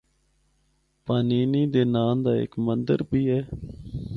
پانینی دے ناں دا ہک مندر بھی ہے۔